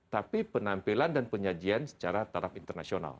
tapi penampilan dan penyajian secara taraf internasional